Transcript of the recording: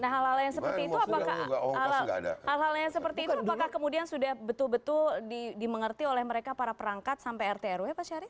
hal hal yang seperti itu apakah kemudian sudah betul betul dimengerti oleh mereka para perangkat sampai rtrw pak syari